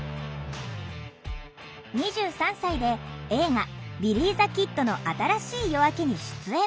２３歳で映画「ビリィ・ザ・キッドの新しい夜明け」に出演。